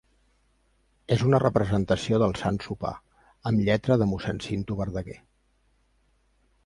És una representació del Sant Sopar, amb lletra de mossèn Cinto Verdaguer.